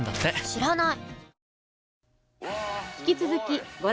知らない！